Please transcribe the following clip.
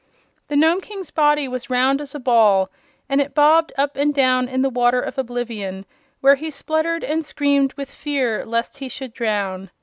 The Nome King's body was round as a ball, and it bobbed up and down in the Water of Oblivion while he spluttered and screamed with fear lest he should drown.